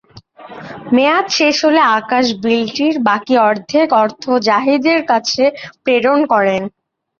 মেয়াদ শেষ হলে আকাশ বিলটির বাকি অর্ধেক অর্থ জাহিদের কাছে প্রেরণ করেন।